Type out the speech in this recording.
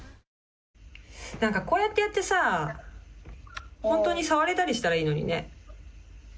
なんかこうやって、やってさ、本当に触れたりしたらいいのにね。